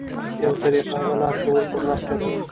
یوه طریقه د لاشعور په مرسته ده.